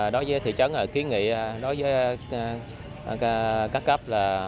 đối với thị trấn kiến nghị đối với các cấp là